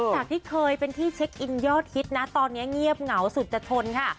จากที่เคยเป็นที่เช็คอินยอดฮิตนะตอนนี้เงียบเหงาสุดจะชนค่ะ